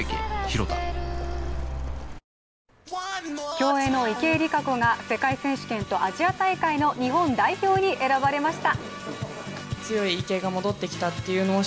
競泳の池江璃花子が世界選手権とアジア大会の日本代表に選ばれました。